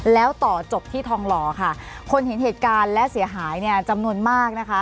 แล้วต่อจบที่ทองหล่อค่ะคนเห็นเหตุการณ์และเสียหายเนี่ยจำนวนมากนะคะ